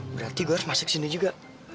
berarti gue harus masuk ke sini juga